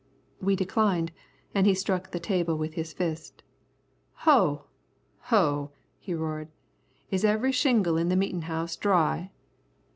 We declined, and he struck the table with his fist. "Ho! ho," he roared; "is every shingle on the meetin' house dry?"